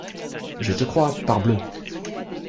Je te crois, parbleu !